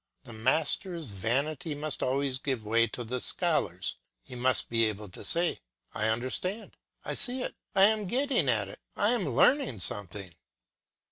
The master's vanity must always give way to the scholars; he must be able to say, I understand, I see it, I am getting at it, I am learning something.